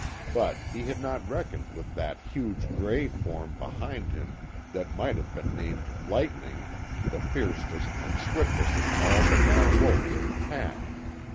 But he had not reckoned with that huge gray form behind him that might have been named Lightning, the fiercest and swiftest of all the mad wolves of the pack.